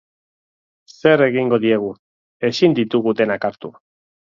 Zer egingo diegu, ezin ditugu denak hartu.